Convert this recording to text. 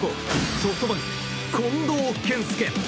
ソフトバンク、近藤健介。